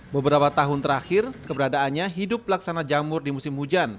beberapa tahun terakhir keberadaannya hidup pelaksana jamur di musim hujan